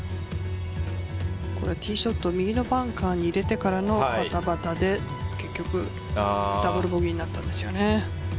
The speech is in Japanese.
ティーショット、右のバンカーに入れてからのバタバタで、結局ダブルボギーになったんですよね。